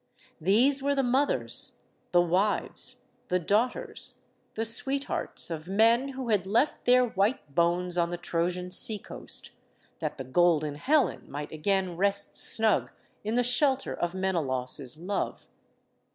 These were the mothers, the wives, the daughters, the sweet hearts, of men who had left their white bones on the Trojan seacoast, that the golden Helen might again rest snug in the shelter of Menelaus" love.